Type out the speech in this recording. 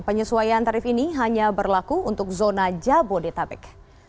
penyesuaian tarif ini hanya berlaku untuk zona jabodetabek